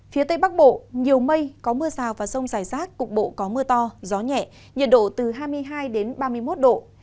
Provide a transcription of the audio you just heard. phía tây bắc bộ nhiều mây có mưa rào và rông dài rác cục bộ có mưa to gió nhẹ nhiệt độ từ hai mươi hai ba mươi một độ